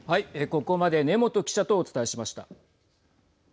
ここまで根本記者とお伝えしました。